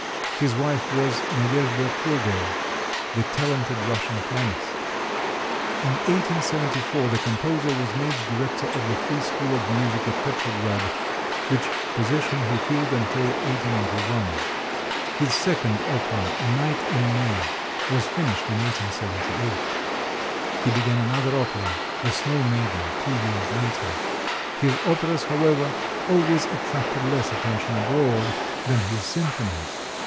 His wife was Nadejda Pourgold, the talented Russian pianist. In 1874 the composer was made director of the Free School of Music at Petrograd, which position he filled until 1881. His second opera, "A Night in May," was finished in 1878. He began another opera, "The Snow Maiden," two years later. His operas, however, always attracted less attention abroad than his symphonies.